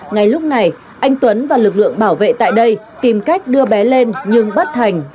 ngay lúc này anh tuấn và lực lượng bảo vệ tại đây tìm cách đưa bé lên nhưng bất thành